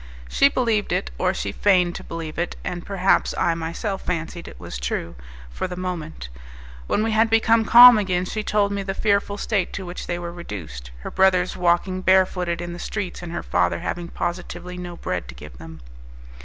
She believed it, or she feigned to believe it, and perhaps I myself fancied it was true for the moment. When we had become calm again, she told me the fearful state to which they were reduced, her brothers walking barefooted in the streets, and her father having positively no bread to give them.